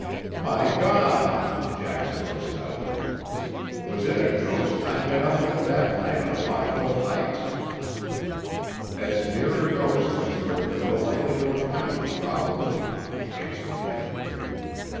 "My God!" Jax burst out, "was it a ghost I met up with that night on Hawkill Heights?" "As near a ghost as you are ever likely to encounter, probably," answered Kent.